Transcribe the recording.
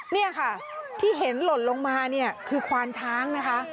นี่ค่ะที่เห็นหล่นลงมาเนี่ยคือควานช้างนะคะ